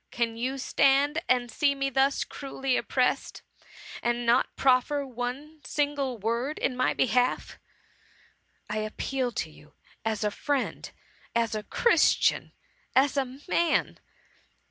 Can you stand and see me thus cruelly oppressed, and not proffer one single word in my behalf? I ap^ peal to you as a friend, as a christian, as a man.'